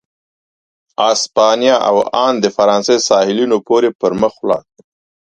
اسپانیا او ان د فرانسې ساحلونو پورې پر مخ ولاړ.